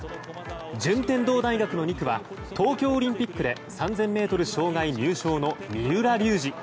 順天堂大学の２区は東京オリンピックで３０００ｍ障害入賞の三浦龍司。